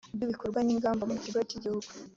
rw ibikorwa n ingamba mu kigo cy igihugu